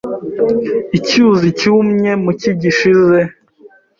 Icyuzi cyumye mu cyi gishize.